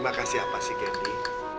makasih apa sih candy